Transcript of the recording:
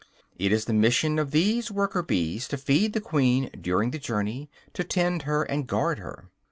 It is the mission of these worker bees to feed the queen during the journey, to tend her and guard her.